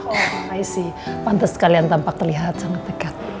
oh i see pantes kalian tampak terlihat sangat deket